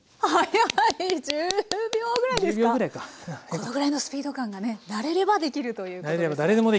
このぐらいのスピード感がね慣れればできるということですね。